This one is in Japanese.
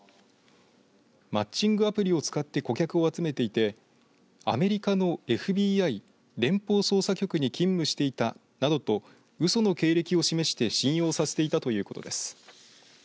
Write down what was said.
マッチングアプリを使って顧客を集めていてアメリカのＦＢＩ連邦捜査局に勤務していたなどとうその経歴を示して信用させていたということです。